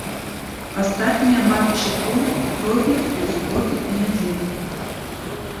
Астатнія матчы туры пройдуць у суботу і нядзелю.